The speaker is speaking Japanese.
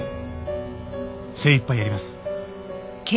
精いっぱいやります。